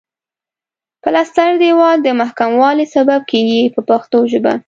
پلستر دېوال د محکموالي سبب کیږي په پښتو ژبه.